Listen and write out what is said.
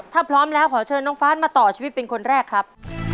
ถ้าพร้อมแล้วขอเชิญน้องฟ้ามาต่อชีวิตเป็นคนแรกครับ